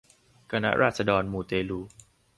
คณะราษฎรมูเตลู